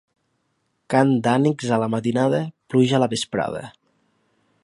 Cant d'ànecs a la matinada, pluja a la vesprada.